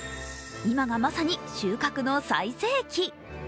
今がまさに収穫の最盛期。